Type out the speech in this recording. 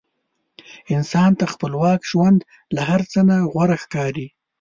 انسان ته خپلواک ژوند له هر څه نه غوره ښکاري.